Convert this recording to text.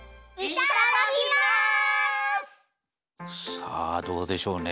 さあどうでしょうね？